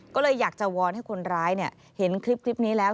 ก็เลยอยากจะวอนให้คนร้ายเห็นคลิปนี้แล้ว